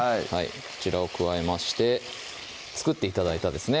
こちらを加えまして作って頂いたですね